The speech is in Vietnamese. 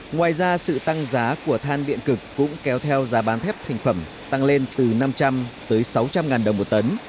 ngoài ra sự tăng giá của than biện cực cũng kéo theo giá bán thép thành phẩm tăng lên từ năm trăm linh sáu trăm linh ngàn đồng một tấn